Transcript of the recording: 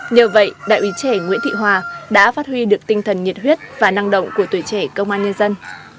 nhờ vậy đại úy trẻ nguyễn thị hòa đã phát huy được tinh thần nhiệt huyết và năng động của tuổi trẻ công an nhân dân